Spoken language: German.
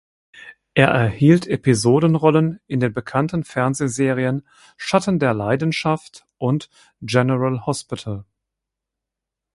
Er erhielt Episodenrollen in den bekannten Fernsehserien "Schatten der Leidenschaft" und "General Hospital".